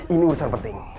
ini urusan penting